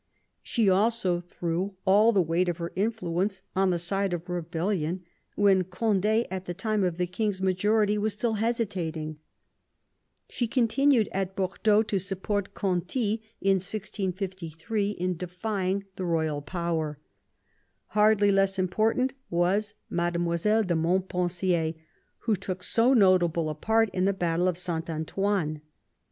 She also threw all the weight of her influence on the side of rebellion when Conde at the time of the king's majority was still hesitating. She continued at Bordeaux to support Conti in 1653 in defying the royal power. Hardly less important was Madlle. de Montpensier, who took so notable a part in the battle of Saint Antoine.